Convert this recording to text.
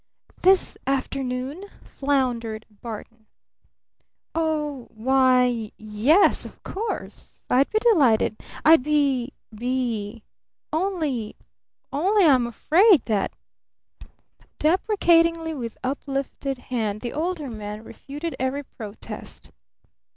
"This afternoon?" floundered Barton. "Oh why yes of course! I'd be delighted! I'd be be! Only ! Only I'm afraid that !" Deprecatingly with uplifted hand the Older Man refuted every protest.